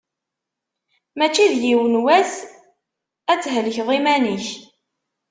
Mačči d yiwen wass ad thelkeḍ iman-ik.